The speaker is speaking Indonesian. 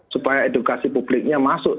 supaya edukasi publiknya masuk